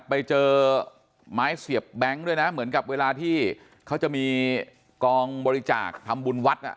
ไปเจอไม้เสียบแบงค์ด้วยนะเหมือนกับเวลาที่เขาจะมีกองบริจาคทำบุญวัด